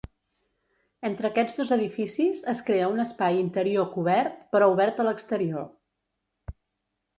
Entre aquests dos edificis es crea un espai interior cobert però obert a l'exterior.